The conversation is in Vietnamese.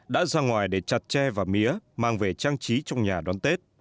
đã ra ngoài để chặt tre và mía mang về trang trí trong nhà đón tết